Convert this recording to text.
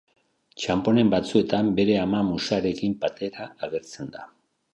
Txanponen batzuetan, bere ama Musarekin batera agertzen da.